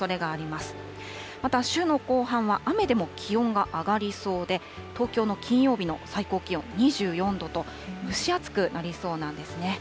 また週の後半は雨でも気温が上がりそうで、東京の金曜日の最高気温２４度と、蒸し暑くなりそうなんですね。